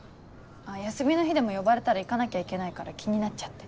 休みの日でも呼ばれたら行かなきゃいけないから気になっちゃって。